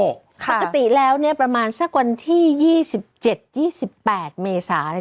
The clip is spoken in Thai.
ปกติแล้วประมาณสักวันที่๒๗๒๘เมษา